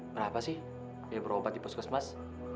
berapa sih dia berobat di puskesmas